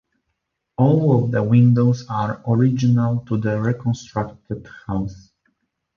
All of the windows are original to the reconstructed house.